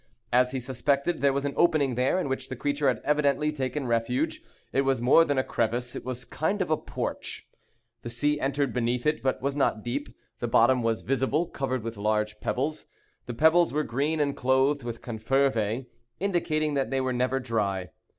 As he suspected, there was an opening there in which the creature had evidently taken refuge. It was more than a crevice; it was a kind of porch. The sea entered beneath it, but was not deep. The bottom was visible, covered with large pebbles. The pebbles were green and clothed with confervæ, indicating that they were never dry.